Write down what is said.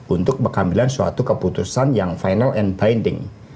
untuk mengambil suatu keputusan yang final and binding